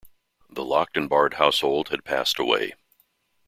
The locked and barred household had passed away.